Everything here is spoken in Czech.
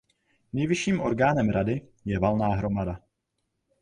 Nejvyšším orgánem Rady je Valná hromada.